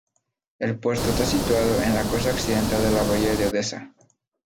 El puerto está situado en la costa occidental de la Bahía de Odesa.